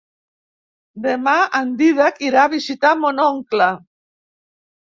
Demà en Dídac irà a visitar mon oncle.